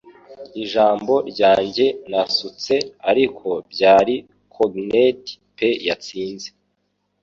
Ijambo ryanjye nasutse. Ariko byari cognate pe yatsinze